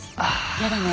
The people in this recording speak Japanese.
嫌だね。